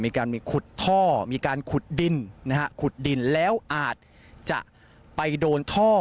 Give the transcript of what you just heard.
มีการขุดท่อมีการขุดดินแล้วอาจจะไปโดนท่อ